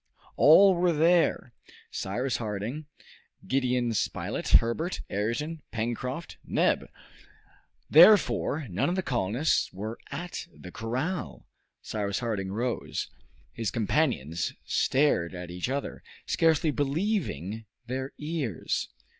All were there, Cyrus Harding, Gideon Spilett, Herbert, Ayrton, Pencroft, Neb. Therefore none of the colonists were at the corral. Cyrus Harding rose. His companions stared at each other, scarcely believing their ears.